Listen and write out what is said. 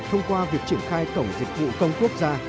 thông qua việc triển khai cổng dịch vụ công quốc gia